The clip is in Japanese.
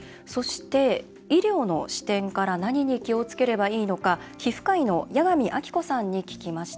医療の視点から何に気をつければいいのか皮膚科医の矢上晶子さんに聞きました。